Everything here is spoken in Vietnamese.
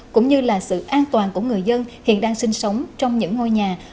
cũng như là sự an toàn của người dân hiện đang sinh sống trong những ngôi nhà